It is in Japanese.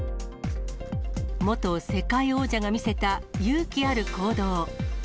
元世界王者が見せた、勇気ある行動。